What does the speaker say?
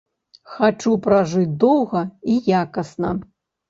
Хачу пражыць доўга і якасна.